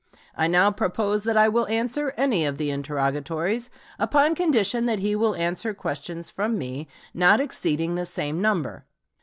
I now propose that I will answer any of the interrogatories, upon condition that he will answer questions from me not exceeding the same number.